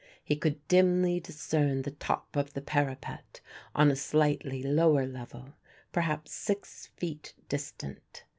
He could dimly discern the top of the parapet on a slightly lower level, perhaps six feet distant.